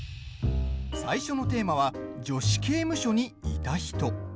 最初のテーマは「女子刑務所にいた人」。